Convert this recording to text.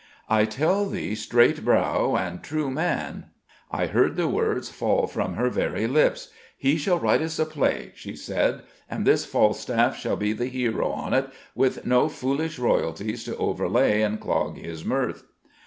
"I tell thee, straight brow and true man, I heard the words fall from her very lips. 'He shall write us a play,' she said; 'and this Falstaff shall be the hero on't, with no foolish royalties to overlay and clog his mirth.'"